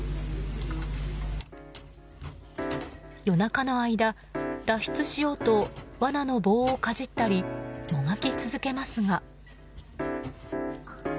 夜中の間、脱出しようとわなの棒をかじったりもがき続けますが。